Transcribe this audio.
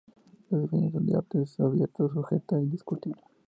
La definición de arte es abierta, subjetiva, discutible.